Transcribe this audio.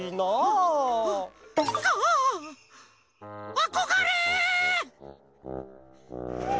あこがれ！